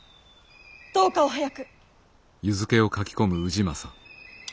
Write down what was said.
どうかお早く！